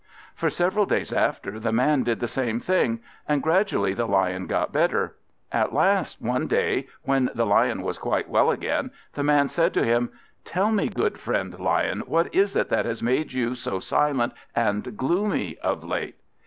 For several days after, the man did the same thing; and gradually the Lion got better. At last one day, when the Lion was quite well again, the man said to him "Tell me, good friend Lion, what it is that has made you so silent and gloomy of late?"